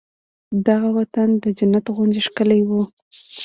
د هغه وطن د جنت غوندې ښکلی و